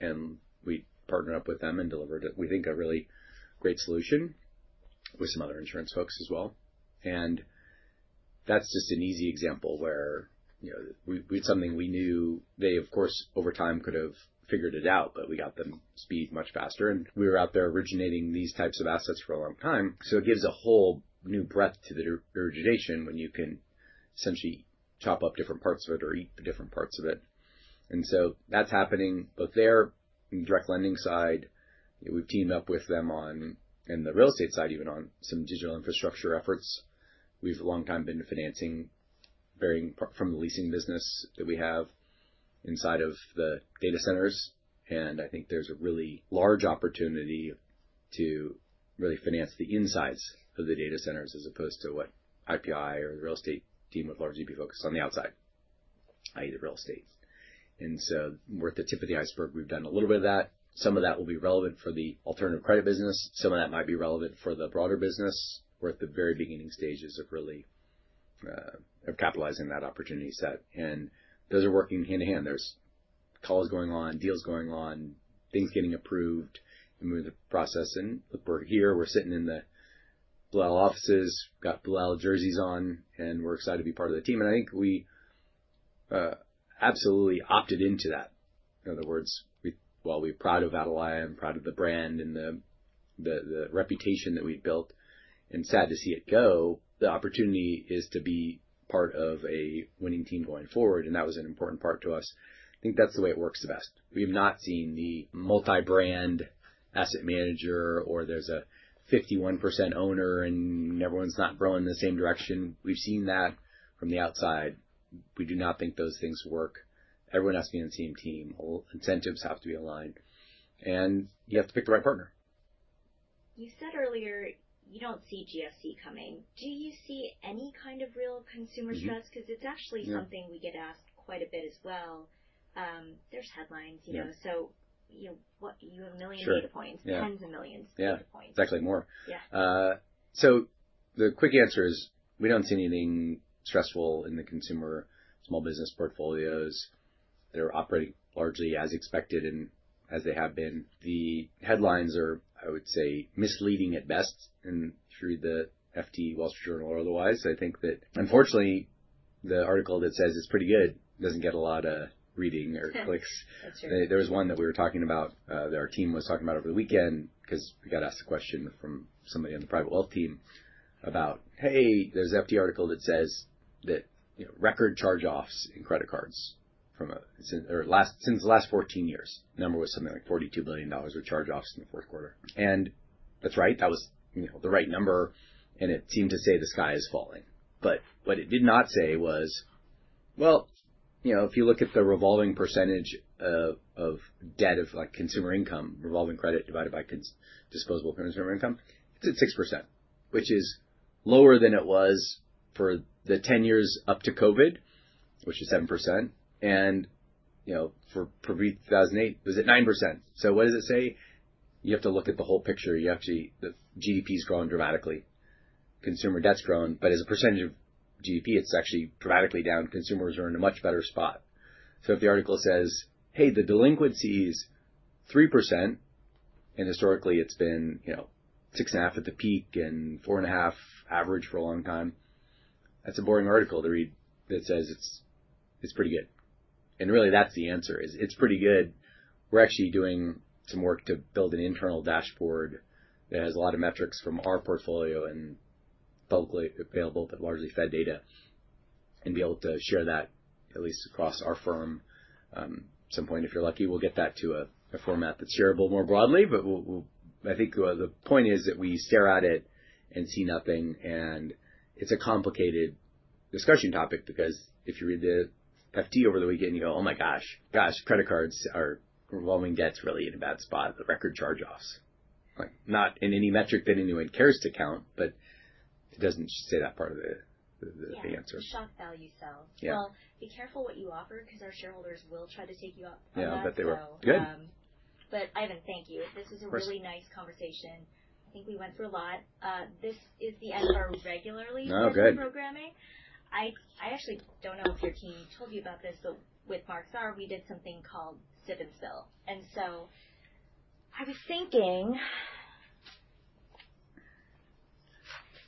And we partnered up with them and delivered it. We think a really great solution with some other insurance folks as well. And that's just an easy example where we had something we knew they, of course, over time could have figured it out, but we got them speed much faster. We were out there originating these types of assets for a long time. It gives a whole new breadth to the origination when you can essentially chop up different parts of it or eat different parts of it. That's happening both there in direct lending side. We've teamed up with them on, in the real estate side, even on some digital infrastructure efforts. We've a long time been financing from the leasing business that we have inside of the data centers. I think there's a really large opportunity to really finance the insides of the data centers as opposed to what IPI or the real estate team would largely be focused on the outside, i.e., the real estate. We're at the tip of the iceberg. We've done a little bit of that. Some of that will be relevant for the alternative credit business. Some of that might be relevant for the broader business. We're at the very beginning stages of really capitalizing that opportunity set, and those are working hand in hand. There's calls going on, deals going on, things getting approved, moving the process, and we're here. We're sitting in the Blue Owl offices, got Blue Owl jerseys on, and we're excited to be part of the team, and I think we absolutely opted into that. In other words, while we're proud of Atalaya and proud of the brand and the reputation that we've built and sad to see it go, the opportunity is to be part of a winning team going forward, and that was an important part to us. I think that's the way it works the best. We have not seen the multi-brand asset manager or there's a 51% owner and everyone's not growing in the same direction. We've seen that from the outside. We do not think those things work. Everyone has to be on the same team. Incentives have to be aligned, and you have to pick the right partner. You said earlier you don't see GFC coming. Do you see any kind of real consumer stress? Because it's actually something we get asked quite a bit as well. There's headlines. So you have a million data points, tens of millions of data points. Yeah. It's actually more. So the quick answer is we don't see anything stressful in the consumer small business portfolios. They're operating largely as expected and as they have been. The headlines are, I would say, misleading at best through the FT, Wall Street Journal or otherwise. I think that, unfortunately, the article that says it's pretty good doesn't get a lot of reading or clicks. There was one that we were talking about that our team was talking about over the weekend because we got asked a question from somebody on the private wealth team about, "Hey, there's an FT article that says that record charge-offs in credit cards from since the last 14 years." The number was something like $42 billion with charge-offs in the fourth quarter. And that's right. That was the right number. And it seemed to say the sky is falling. But what it did not say was, "Well, if you look at the revolving percentage of debt of consumer income, revolving credit divided by disposable consumer income, it's at 6%, which is lower than it was for the 10 years up to COVID, which is 7%. And for 2008, it was at 9%." So what does it say? You have to look at the whole picture. The GDP has grown dramatically. Consumer debt has grown. But as a percentage of GDP, it's actually dramatically down. Consumers are in a much better spot. So if the article says, "Hey, the delinquency is 3%," and historically it's been 6.5% at the peak and 4.5% average for a long time, that's a boring article to read that says it's pretty good. And really, that's the answer. It's pretty good. We're actually doing some work to build an internal dashboard that has a lot of metrics from our portfolio and publicly available, but largely Fed data, and be able to share that at least across our firm. At some point, if you're lucky, we'll get that to a format that's shareable more broadly, but I think the point is that we stare at it and see nothing, and it's a complicated discussion topic because if you read the FT over the weekend, you go, "Oh my gosh, gosh, credit cards are revolving debt is really in a bad spot at the record charge-offs." Not in any metric that anyone cares to count, but it doesn't say that part of the answer. Yeah. Shock value sells. Well, be careful what you offer because our shareholders will try to take you up on that. I know that they were. Good. But Ivan, thank you. This was a really nice conversation. I think we went through a lot. This is the end of our regularly sponsored programming. I actually don't know if your team told you about this, but with Mark Starr, we did something called Sip & Spill. And so I was thinking.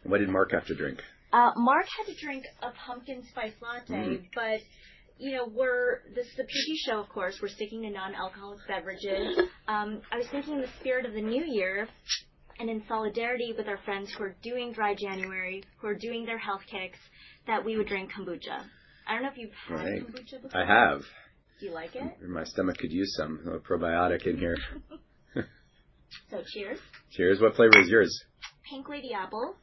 What did Mark have to drink? Mark had to drink a pumpkin spice latte. But this is a pre-show, of course. We're sticking to non-alcoholic beverages. I was thinking in the spirit of the new year and in solidarity with our friends who are doing Dry January, who are doing their health kicks, that we would drink kombucha. I don't know if you've had kombucha before? I have. Do you like it? My stomach could use some probiotic in here. So cheers. Cheers. What flavor is yours? Pink Lady Apple.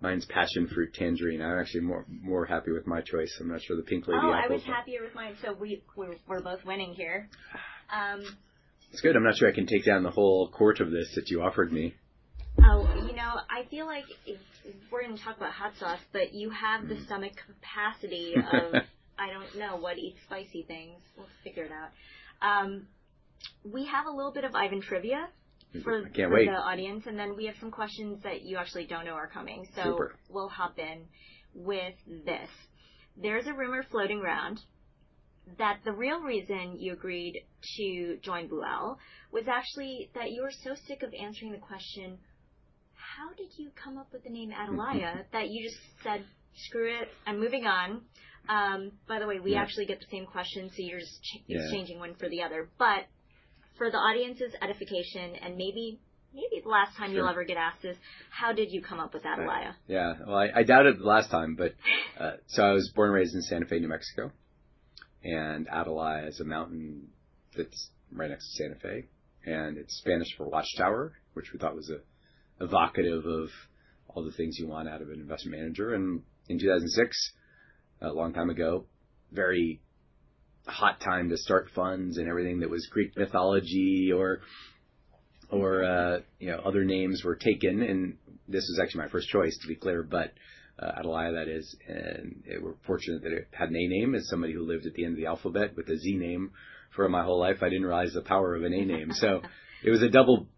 Mine's Passion Fruit Tangerine. I'm actually more happy with my choice. I'm not sure the Pink Lady Apple. Oh, I was happier with mine. So we're both winning here. It's good. I'm not sure I can take down the whole quart of this that you offered me. Oh, you know I feel like we're going to talk about hot sauce, but you have the stomach capacity of I don't know what eats spicy things. We'll figure it out. We have a little bit of Ivan trivia for the audience. I can't wait. Then we have some questions that you actually don't know are coming. So we'll hop in with this. There's a rumor floating around that the real reason you agreed to join Blue Owl was actually that you were so sick of answering the question, "How did you come up with the name Atalaya?" that you just said, "Screw it. I'm moving on." By the way, we actually get the same question, so you're just changing one for the other. But for the audience's edification and maybe the last time you'll ever get asked this, how did you come up with Atalaya? Yeah. Well, I doubted the last time, but so I was born and raised in Santa Fe, New Mexico. And Atalaya is a mountain that's right next to Santa Fe. And it's Spanish for watchtower, which we thought was an evocative of all the things you want out of an investment manager. And in 2006, a long time ago, very hot time to start funds and everything that was Greek mythology or other names were taken. And this was actually my first choice, to be clear, but Atalaya, that is. And we're fortunate that it had an A name as somebody who lived at the end of the alphabet with a Z name for my whole life. I didn't realize the power of an A name. So it was a double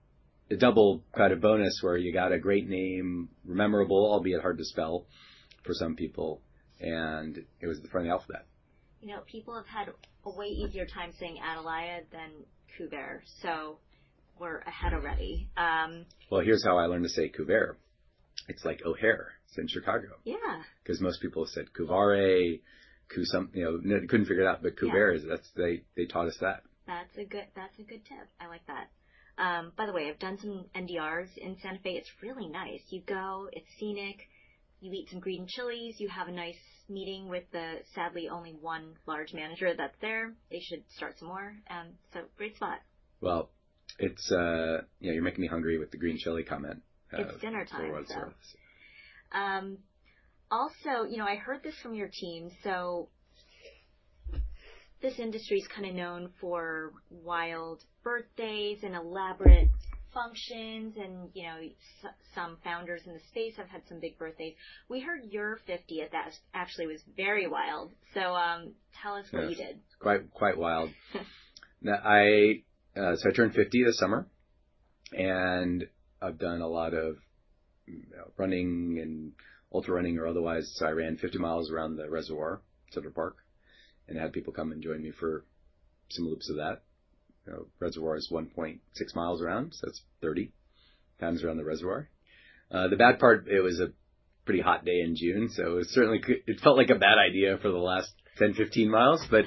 kind of bonus where you got a great name, memorable, albeit hard to spell for some people. It was at the front of the alphabet. You know people have had a way easier time saying Atalaya than Kuvare, so we're ahead already. Here's how I learned to say Kuvare. It's like O'Hare since Chicago. Yeah, because most people said Kuvare, couldn't figure it out, but Kuvare, they taught us that. That's a good tip. I like that. By the way, I've done some NDRs in Santa Fe. It's really nice. You go, it's scenic. You eat some green chiles. You have a nice meeting with the sadly only one large manager that's there. They should start some more. So great spot. You're making me hungry with the green chile comment. It's dinner time. So, what's worth? Also, I heard this from your team. So this industry is kind of known for wild birthdays and elaborate functions. And some founders in the space have had some big birthdays. We heard you're 50 at that. Actually, it was very wild. So tell us what you did? Quite wild. So I turned 50 this summer, and I've done a lot of running and ultra running or otherwise. So I ran 50 miles around the reservoir, Central Park, and had people come and join me for some loops of that. Reservoir is 1.6 miles around. So that's 30 times around the reservoir. The bad part, it was a pretty hot day in June. So it felt like a bad idea for the last 10, 15 miles, but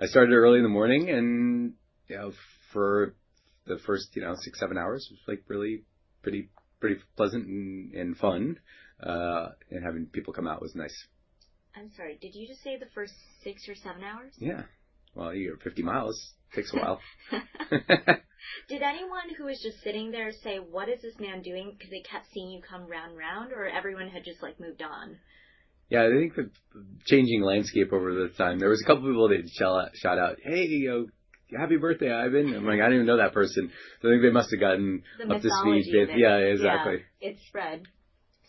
I started early in the morning, and for the first six, seven hours, it was really pretty pleasant and fun, and having people come out was nice. I'm sorry. Did you just say the first six or seven hours? Yeah. Well, you're 50 mi. Takes a while. Did anyone who was just sitting there say, "What is this man doing?" Because they kept seeing you come round, round, or everyone had just moved on? Yeah. I think the changing landscape over time. There was a couple of people that shouted out, "Hey, happy birthday, Ivan." I'm like, "I didn't even know that person." So I think they must have gotten up to speed. The message was. Yeah, exactly. It spread.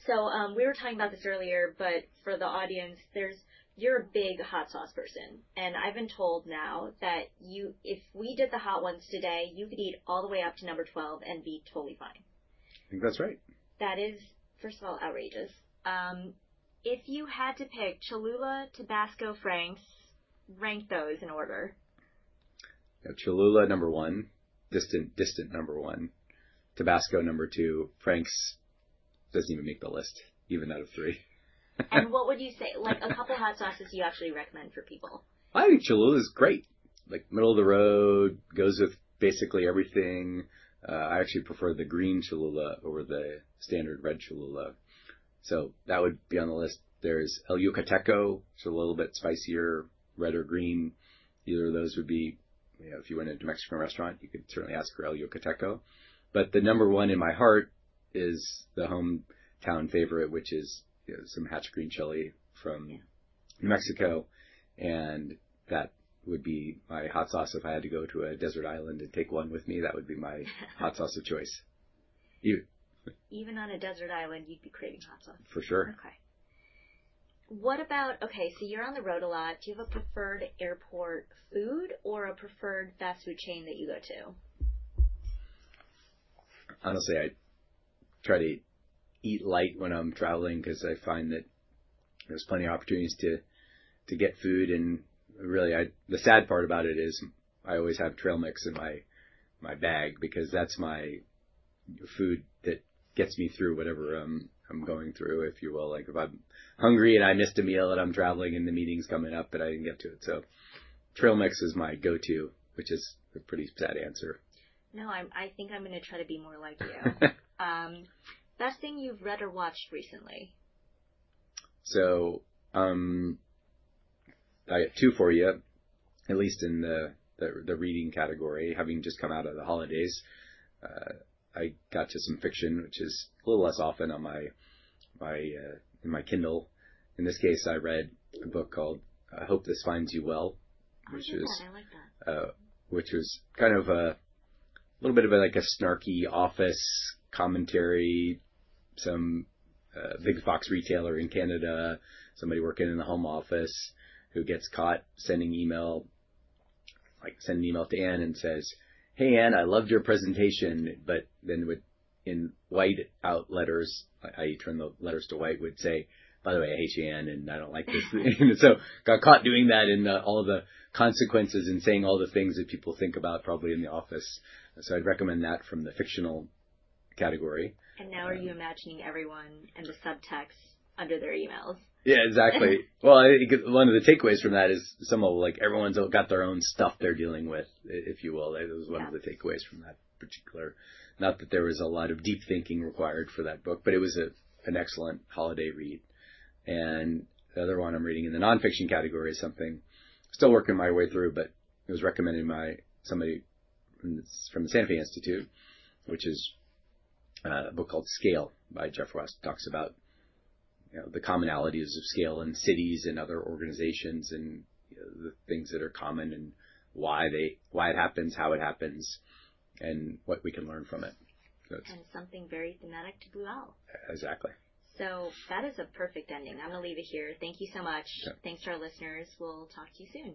So we were talking about this earlier, but for the audience, you're a big hot sauce person. And I've been told now that if we did the hot ones today, you could eat all the way up to number 12 and be totally fine. I think that's right. That is, first of all, outrageous. If you had to pick Cholula, Tabasco, Frank's, rank those in order? Cholula, number one. Distant, distant number one. Tabasco, number two. Frank's doesn't even make the list, even out of three. What would you say? A couple of hot sauces you actually recommend for people. I think Cholula is great. Middle of the road, goes with basically everything. I actually prefer the green Cholula over the standard red Cholula, so that would be on the list. There's El Yucateco, which is a little bit spicier, red or green. Either of those would be if you went into a Mexican restaurant, you could certainly ask for El Yucateco, but the number one in my heart is the hometown favorite, which is some Hatch green chile from New Mexico, and that would be my hot sauce. If I had to go to a desert island and take one with me, that would be my hot sauce of choice. Even on a desert island, you'd be craving hot sauce. For sure. Okay. So you're on the road a lot. Do you have a preferred airport food or a preferred fast food chain that you go to? Honestly, I try to eat light when I'm traveling because I find that there's plenty of opportunities to get food. And really, the sad part about it is I always have trail mix in my bag because that's my food that gets me through whatever I'm going through, if you will. If I'm hungry and I missed a meal and I'm traveling and the meeting's coming up and I didn't get to it. So trail mix is my go-to. Which is a pretty sad answer. No, I think I'm going to try to be more like you. Best thing you've read or watched recently? So I have two for you, at least in the reading category. Having just come out of the holidays, I got to some fiction, which is a little less often on my Kindle. In this case, I read a book called I Hope This Finds You Well, which was kind of a little bit of a snarky office commentary, some big box retailer in Canada, somebody working in the home office who gets caught sending an email to Ann and says, "Hey, Ann, I loved your presentation," but then in white-out letters, I turn the letters to white, would say, "By the way, I hate you, Ann, and I don't like this." So got caught doing that and all the consequences and saying all the things that people think about probably in the office. So I'd recommend that from the fictional category. Now you're imagining everyone and the subtext under their emails. Yeah, exactly. Well, one of the takeaways from that is somehow everyone's got their own stuff they're dealing with, if you will. That was one of the takeaways from that particular, not that there was a lot of deep thinking required for that book, but it was an excellent holiday read. And the other one I'm reading in the non-fiction category is something still working my way through, but it was recommended by somebody from the Santa Fe Institute, which is a book called Scale by Jeff Ross, talks about the commonalities of scale in cities and other organizations and the things that are common and why it happens, how it happens, and what we can learn from it. Something very thematic to Blue Owl. Exactly. So that is a perfect ending. I'm going to leave it here. Thank you so much. Thanks to our listeners. We'll talk to you soon.